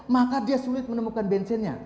maka dia sulit menemukan bensinnya